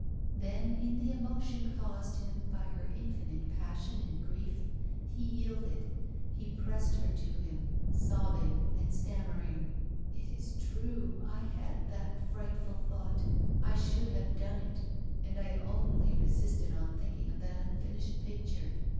Then, in the emotion caused him by her infinite passion and grief, he yielded. He pressed her to him, sobbing and stammering: 'It is true I had that frightful thought I should have done it, and I only resisted on thinking of that unfinished picture.